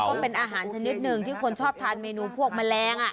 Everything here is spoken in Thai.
ก็เป็นอาหารชนิดหนึ่งที่คนชอบทานเมนูพวกแมลง